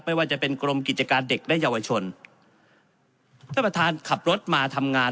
ไม่ว่าจะเป็นกรมกิจการเด็กและเยาวชนท่านประธานขับรถมาทำงาน